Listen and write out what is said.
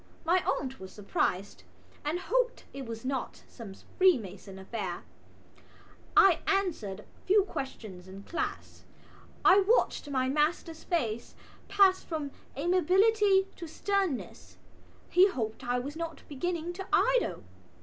My aunt was surprised and hoped it was not some Freemason affair. I answered few questions in class. I watched my master's face pass from amiability to sternness; he hoped I was not beginning to idle.